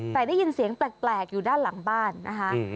แต่ได้ยินเสียงแปลกอยู่ด้านหลังบ้านนะคะ